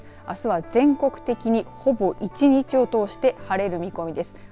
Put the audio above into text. あすは全国的にほぼ１日を通して晴れる見込みです。